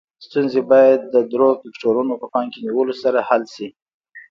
ستونزې باید د دریو فکتورونو په پام کې نیولو حل شي.